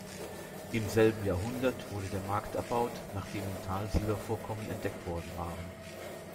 Im selben Jahrhundert wurde der Markt erbaut, nachdem im Tal Silbervorkommen entdeckt worden waren.